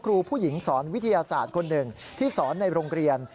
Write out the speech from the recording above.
ครูผู้หญิงสอนวิทยาศาสตร์คนหนึ่งที่สอนในโรงเรียน